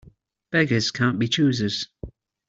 Beggars can't be choosers.